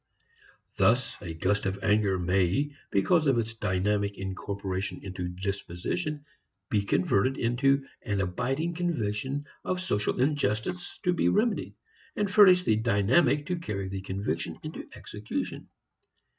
Thus a gust of anger may, because of its dynamic incorporation into disposition, be converted into an abiding conviction of social injustice to be remedied, and furnish the dynamic to carry the conviction into execution.